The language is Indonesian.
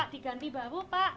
pak diganti baru pak